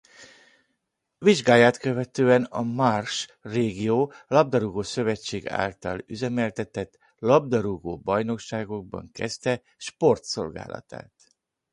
Vizsgáját követően a Marche régió Labdarúgó-szövetsége által üzemeltetett labdarúgó bajnokságokban kezdte sportszolgálatát.